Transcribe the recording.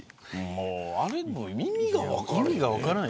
あれも意味が分からない。